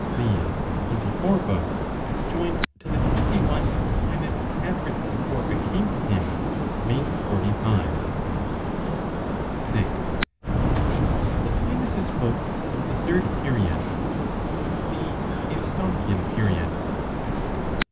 These twenty four books, joined to the twenty one Plotinos had written before I came to him, make forty five. VI. PLOTINOS'S BOOKS OF THE THIRD PERIOD (THE EUSTOCHIAN PERIOD).